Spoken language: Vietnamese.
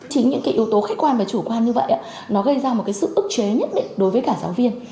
chính những cái yếu tố khách quan và chủ quan như vậy nó gây ra một cái sự ức chế nhất định đối với cả giáo viên